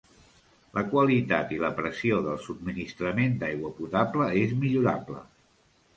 La qualitat i la pressió del subministrament d'aigua potable és millorable.